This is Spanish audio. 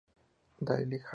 Dailey Has a Lover.